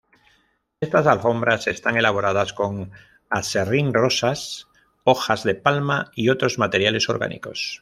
Estas alfombras están elaboradas con aserrín, rosas, hojas de palma y otros materiales orgánicos.